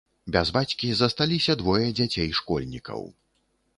Без бацькі засталіся двое дзяцей-школьнікаў.